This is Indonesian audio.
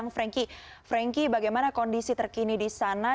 franky bagaimana kondisi terkini di sana